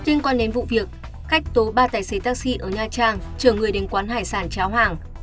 liên quan đến vụ việc khách tố ba tài xế taxi ở nha trang chở người đến quán hải sản cháo hàng